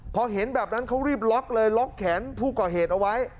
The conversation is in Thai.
พอเห็นแบบนั้นเขารีบล็อกเลยล็อกแขนผู้ก่อเหตุเอาไว้